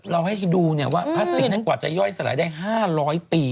เราให้ดูว่าพลาสติกถ้างวัดจะย่อยสะละได้๕๐๐ปี